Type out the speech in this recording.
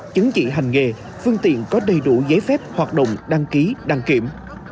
chứng chỉ hành nghề phương tiện có đầy đủ giấy phép hoạt động đăng ký đăng kiểm